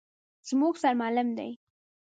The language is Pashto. _زموږ سر معلم دی.